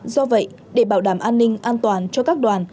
do vậy để bảo đảm an ninh an toàn cho các đoàn